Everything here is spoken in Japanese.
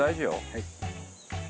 はい。